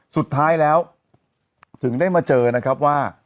สุดท้ายแล้วถึงได้มาเจอนะครับว่า